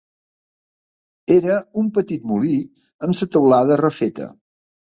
Era un petit molí amb la teulada refeta.